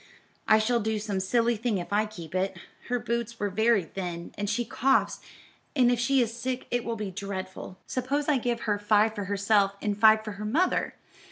I shall do some silly thing if I keep it. Her boots were very thin, and she coughs, and if she is sick it will be dreadful. Suppose I give her five for herself, and five for her mother.